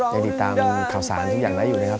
ยังติดตามข่าวสารที่อย่างไร้อยู่นะครับ